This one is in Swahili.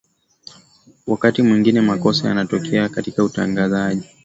wakati mwingine makosa yanatokea katika utangazaji